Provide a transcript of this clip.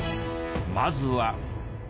まずは。